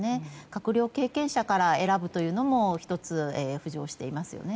閣僚経験者から選ぶというのも１つ浮上していますね。